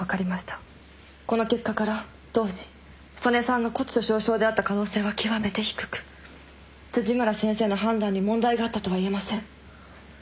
この結果から当時曽根さんが骨粗しょう症であった可能性は極めて低く辻村先生の判断に問題があったとは言えません。